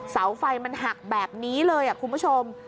เสาไฟมันหักแบบนี้เลยคุณผู้ชม